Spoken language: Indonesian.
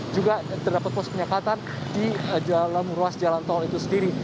juga terdapat pos penyekatan di dalam ruas jalan tol itu sendiri